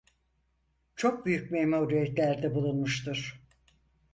Çok büyük memuriyetlerde bulunmuştur.